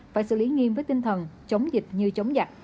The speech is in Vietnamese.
phải xử lý nghiêm với tinh thần chống dịch như chống giặc